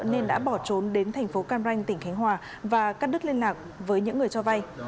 nên đã bỏ trốn đến thành phố cam ranh tỉnh khánh hòa và cắt đứt liên lạc với những người cho vay